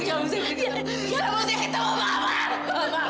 kamu harus ketemu sama mama